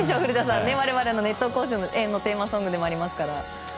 我々の「熱闘甲子園」のテーマソングでもありますから。